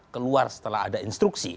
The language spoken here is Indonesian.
keluar setelah ada instruksi